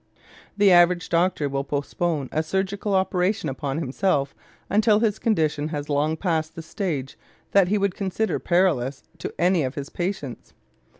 The average doctor will postpone a surgical operation upon himself until his condition has long passed the stage that he would consider perilous to any of his patients.